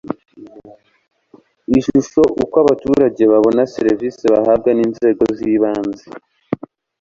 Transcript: ishusho uko abaturage babona serivisi bahabwa n inzego z ibanze